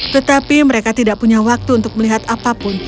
tetapi mereka tidak punya waktu untuk melihat apapun